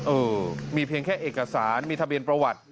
เออมีเพียงแค่เอกสารมีทะเบียนประวัติ